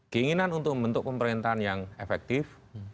keinginan untuk membentuk pemerintahan yang efektif